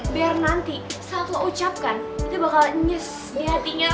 biar nanti saat lo ucapkan itu bakal nyes di hatinya